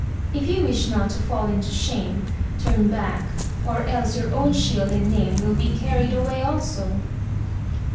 If you wish not to fall into sluune turn back, or else your own shield and name will be carried away also.